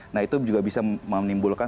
nah itu juga bisa menimbulkan